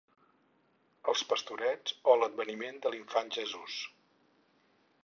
Els Pastorets o l'adveniment de l'Infant Jesús.